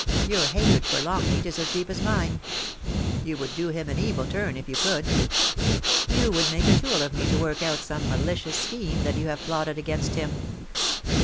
Your hatred for Longleat is as deep as mine. You would do him an evil turn if you could. You would make a tool of me to work out some malicious scheme that you have plotted against him.'